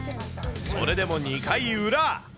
それでも２回裏。